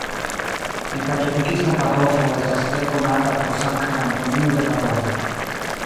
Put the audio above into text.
En katolikismo Padovo estas tre konata pro Sankta Antonio de Padovo.